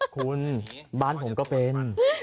คุณบ้านผมก็เป็น